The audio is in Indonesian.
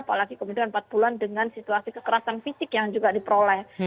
apalagi kemudian empat bulan dengan situasi kekerasan fisik yang juga diperoleh